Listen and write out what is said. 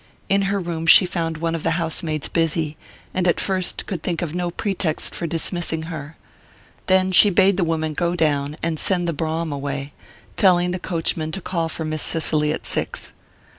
In her room she found one of the housemaids busy, and at first could think of no pretext for dismissing her. Then she bade the woman go down and send the brougham away, telling the coachman to call for Miss Cicely at six.